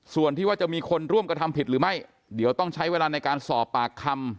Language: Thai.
ส่วนที่ว่าจะมีคนร่วมกระทำผิดหรือไม่เดี๋ยวต้องใช้เวลาในการสอบปากคำ